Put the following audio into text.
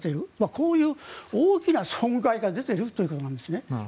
こういう大きな損害が出ているということなんです。